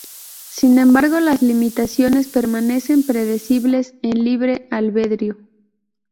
Sin embargo las limitaciones permanecen predecibles en libre albedrío.